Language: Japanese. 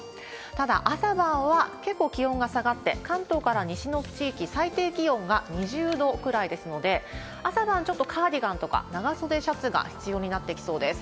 ただ、朝晩は結構気温が下がって、関東から西の地域、最低気温が２０度くらいですので、朝晩ちょっとカーディガンとか長袖シャツが必要になってきそうです。